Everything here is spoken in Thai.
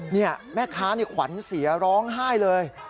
นี่แม่ค้าขวัญเสียร้องไห้เลย